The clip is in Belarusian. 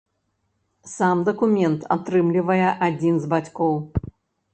Сам дакумент атрымлівае адзін з бацькоў.